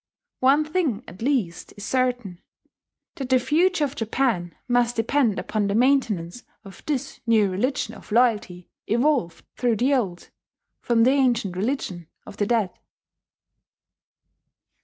One thing at least is certain, that the future of Japan must depend upon the maintenance of this new religion of loyalty, evolved, through the old, from the ancient religion of the dead.